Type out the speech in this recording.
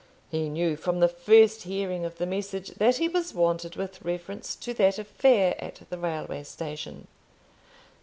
He knew, from the first hearing of the message, that he was wanted with reference to that affair at the railway station.